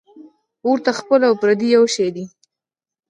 ـ اور ته خپل او پردي یو شی دی .